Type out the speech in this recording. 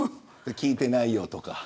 聞いてないよとか。